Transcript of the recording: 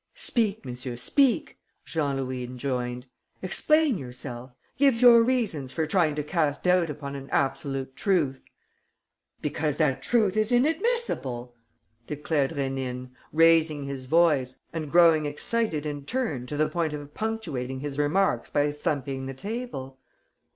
"Speak, monsieur, speak," Jean Louis enjoined. "Explain yourself. Give your reasons for trying to cast doubt upon an absolute truth!" "Because that truth is inadmissible," declared Rénine, raising his voice and growing excited in turn to the point of punctuating his remarks by thumping the table.